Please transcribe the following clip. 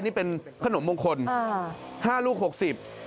นี่เป็นขนมมงคล๕ลูก๖๐บาท